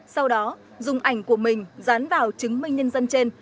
sau đó dùng ảnh của mình dán vào chứng minh nhân dân trên